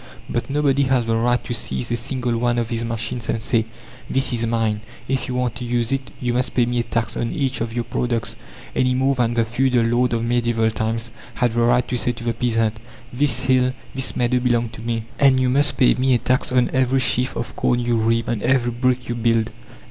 But nobody has the right to seize a single one of these machines and say: "This is mine; if you want to use it you must pay me a tax on each of your products," any more than the feudal lord of medieval times had the right to say to the peasant: "This hill, this meadow belong to me, and you must pay me a tax on every sheaf of corn you reap, on every brick you build."